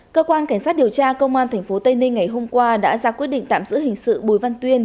cơ quan cảnh sát điều tra công an tp tây ninh ngày hôm qua đã ra quyết định tạm giữ hình sự bùi văn tuyên